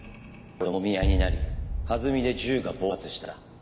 俺ともみ合いになり弾みで銃が暴発した。